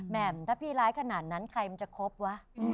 แหม่มถ้าพี่ร้ายขนาดนั้นใครมันจะครบวะ